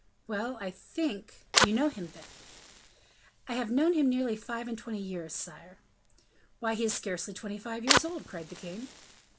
"Well, I think " "You know him then?" "I have known him nearly five and twenty years, sire." "Why, he is scarcely twenty five years old!" cried the king.